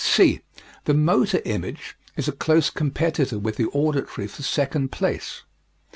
(c) The motor image is a close competitor with the auditory for second place.